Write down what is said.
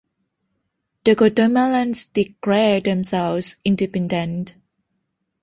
The Guatemalans declared themselves independent.